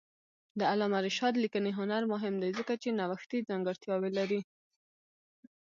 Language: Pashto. د علامه رشاد لیکنی هنر مهم دی ځکه چې نوښتي ځانګړتیاوې لري.